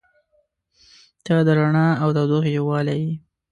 • ته د رڼا او تودوخې یووالی یې.